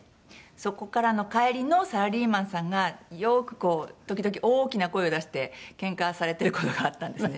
そこからの帰りのサラリーマンさんがよくこう時々大きな声を出してケンカされてる事があったんですね。